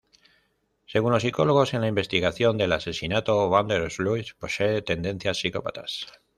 Según los psicólogos en la investigación del asesinato, Van der Sloot posee tendencias psicópatas.